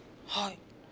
はい。